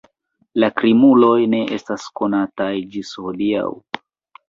La krimuloj ne estas konataj ĝis hodiaŭ.